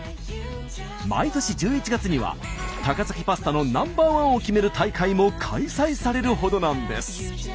毎年１１月には高崎パスタのナンバーワンを決める大会も開催されるほどなんです。